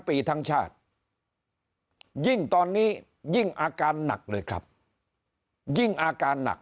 ปีทั้งชาติยิ่งตอนนี้ยิ่งอาการหนักเลยครับยิ่งอาการหนัก